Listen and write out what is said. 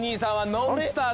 ノンスター！